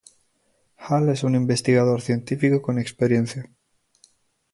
Hal es un investigador científico con experiencia.